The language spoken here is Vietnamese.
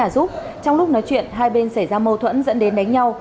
giúp trong lúc nói chuyện hai bên xảy ra mâu thuẫn dẫn đến đánh nhau